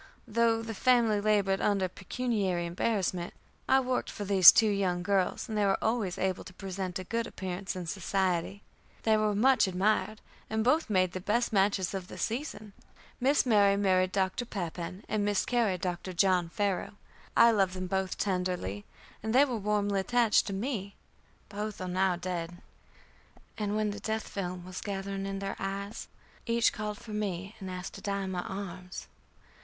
Though the family labored under pecuniary embarrassment, I worked for these two young girls, and they were always able to present a good appearance in society. They were much admired, and both made the best matches of the season. Miss Mary married Dr. Pappan, and Miss Carrie, Dr. John Farrow. I loved them both tenderly, and they were warmly attached to me. Both are now dead, and when the death film was gathering in the eyes, each called for me and asked to die in my arms.